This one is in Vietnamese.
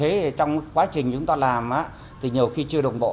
cái nguyên nhân này thì tôi thấy trong quá trình chúng ta làm thì nhiều khi chưa đồng bộ